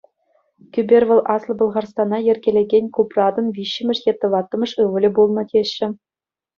Кӳпер вӑл Аслӑ Пӑлхарстана йӗркелекен Купратӑн виҫҫӗмӗш е тӑваттӑмӗш ывӑлӗ пулнӑ, теҫҫӗ.